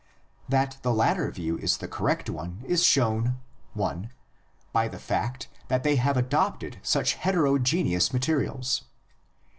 That the latter view is the correct one is shown (i) by the fact that they have adopted such hetero geneous materials.